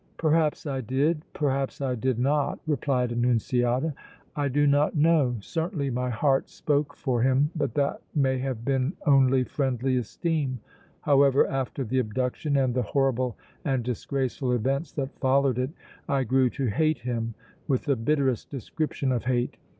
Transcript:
"Perhaps I did, perhaps I did not!" replied Annunziata. "I do not know! Certainly my heart spoke for him, but that may have been only friendly esteem! However, after the abduction and the horrible and disgraceful events that followed it, I grew to hate him with the bitterest description of hate!